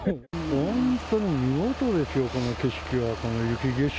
本当に見事ですよ、この景色は、この雪景色。